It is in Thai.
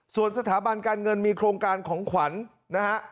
ส่วนสถาบันการเงินมีโครงการของขวัญนะฮะ